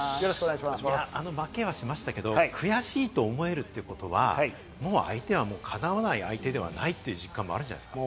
負けはしましたけれども、悔しいと思えるってことは、もう相手は、かなわない相手ではないという実感もあるんじゃないですか？